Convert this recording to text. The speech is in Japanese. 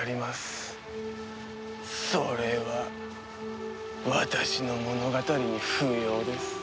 それは私の物語に不要です。